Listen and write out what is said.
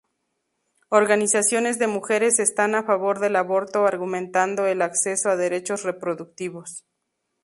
Organizaciones de mujeres están a favor del aborto argumentando el acceso a derechos reproductivos.